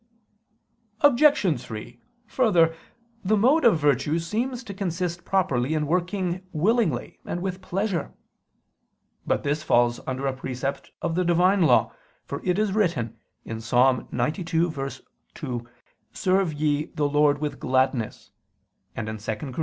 Obj. 3: Further, the mode of virtue seems to consist properly in working willingly and with pleasure. But this falls under a precept of the Divine law, for it is written (Ps. 99:2): "Serve ye the Lord with gladness"; and (2 Cor.